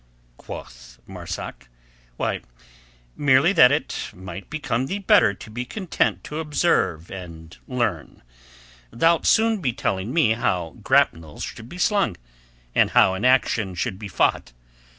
quoth Marzak. "Why merely that it might become thee better to be content to observe and learn. Thou'lt soon be telling me how grapnels should be slung, and how an action should be fought."